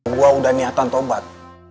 gue udah niatan tobat